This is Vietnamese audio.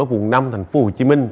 ở vùng năm thành phố hồ chí minh